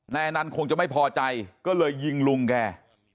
นายอนันต์คงจะไม่พอใจก็เลยยิงลุงแก